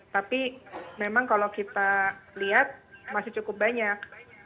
tapi memang kalau kita lihat masih cukup banyak